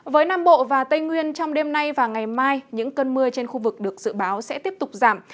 với nam bộ và tây nguyên trong đêm nay và ngày mai những cơn mưa trên khu vực được dự báo sẽ tiếp tục giảm